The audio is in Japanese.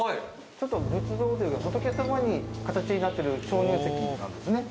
ちょっと仏像というか仏様の形になってる鍾乳石あるんですね」